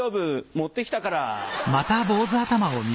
持ってきたから。